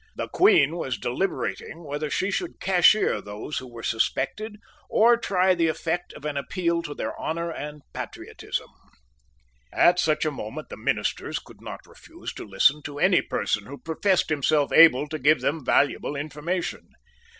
The Queen was deliberating whether she should cashier those who were suspected, or try the effect of an appeal to their honour and patriotism. At such a moment the ministers could not refuse to listen to any person who professed himself able to give them valuable information.